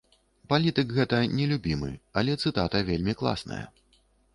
Палітык гэта не любімы, але цытата вельмі класная.